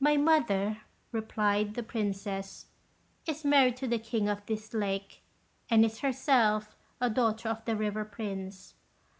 "My mother," replied the Princess, "is married to the King of this lake, and is herself a daughter of the River Prince.